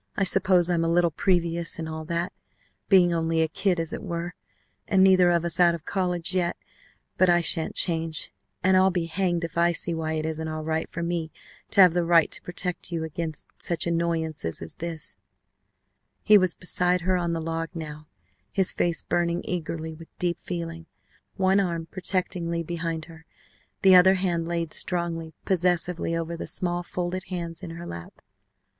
I suppose I'm a little previous and all that, being only a kid, as it were, and neither of us out of college yet, but I shan't change, and I'll be hanged if I see why it isn't all right for me to have the right to protect you against such annoyances as this " He was beside her on the log now, his face burning eagerly with deep feeling, one arm protectingly behind her, the other hand laid strongly, possessively over the small folded hands in her lap.